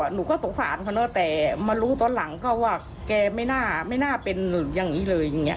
หนูก็สงสารเขาเนอะแต่มารู้ตอนหลังก็ว่าแกไม่น่าเป็นอย่างนี้เลยอย่างนี้